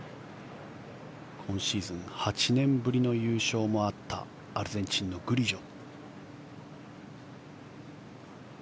今シーズン８年ぶりの優勝もあったアルゼンチンのグリジョ。